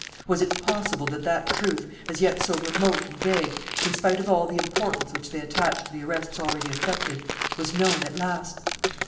Was it possible that that truth, as yet so remote and vague, in spite of all the importance which they attached to the arrests already effected, was known at last?